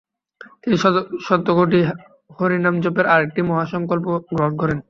তিনি শতকোটি হরিনাম জপের আরেকটি মহা সংকল্প গ্রহণ করেন।